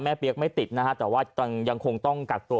เปี๊ยกไม่ติดนะฮะแต่ว่ายังคงต้องกักตัว